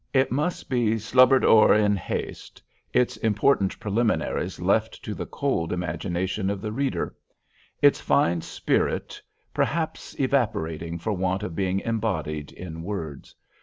It must be "slubber'd o'er in haste"—its important preliminaries left to the cold imagination of the reader—its fine spirit perhaps evaporating for want of being embodied in words.